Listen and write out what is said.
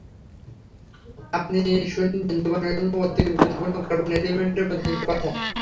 আপনি শুনবেন জীবনের জন্য অতীব গুরুত্বপূর্ণ কার্বন এলিমেন্টের প্রতিদ্বন্দ্বীর কথা।